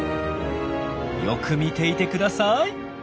よく見ていてください。